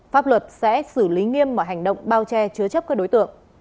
pháp luật sẽ xử lý nghiêm mọi hành động bao che chứa chấp các đối tượng